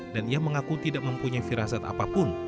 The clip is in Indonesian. dan ia mengaku tidak mempunyai firasat apapun